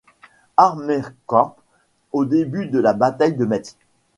Armeekorps au début de la bataille de Metz.